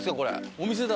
お店だ。